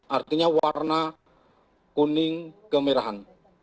artinya warna kuning kemerahan